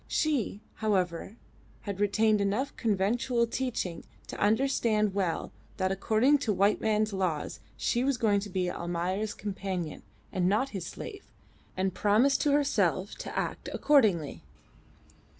She, however, had retained enough of conventual teaching to understand well that according to white men's laws she was going to be Almayer's companion and not his slave, and promised to herself to act accordingly.